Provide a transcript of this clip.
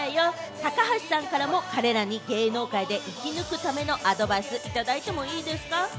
高橋さんからも彼らに芸能界で生き抜くためのアドバイスいただいてもいいですか？